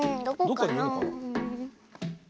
どっかにいるの？